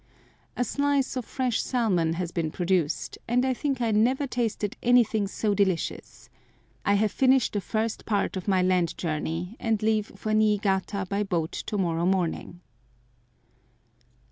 A slice of fresh salmon has been produced, and I think I never tasted anything so delicious. I have finished the first part of my land journey, and leave for Niigata by boat to morrow morning.